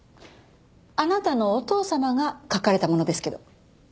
あなたのお父様が描かれたものですけど。